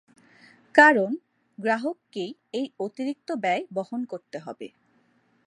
কারণ, গ্রাহককেই এই অতিরিক্ত ব্যয় বহন করতে হবে।